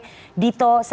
saya ingin koreksikan